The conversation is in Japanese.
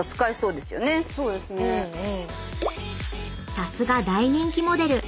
［さすが大人気モデル！